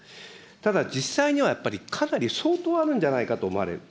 ただ、実際にはやっぱり、かなり相当あるんじゃないかと思われる。